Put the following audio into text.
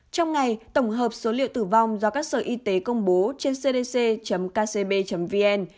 trong ngày tổng hợp số liệu tử vong do các sở y tế công bố trên cdc kcb vn